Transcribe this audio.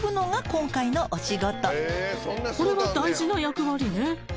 これは大事な役割ね。